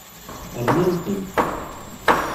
Rnan-ten.